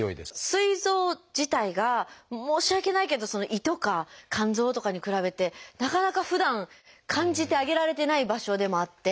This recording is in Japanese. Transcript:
すい臓自体が申し訳ないけど胃とか肝臓とかに比べてなかなかふだん感じてあげられてない場所でもあって。